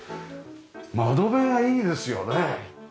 窓辺がいいですよね。